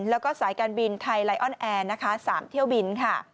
แล้วก็สายการบินไทยไลออนแอร์นะคะ๓เที่ยวบินค่ะ